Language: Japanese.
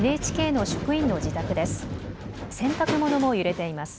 ＮＨＫの職員の自宅です。